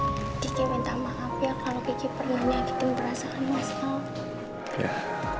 mas am diki minta maaf ya kalau kiki pernah nyakitin perasaan mas am